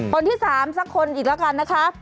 คนที่๓สักคนอีกแล้วกันนะคะ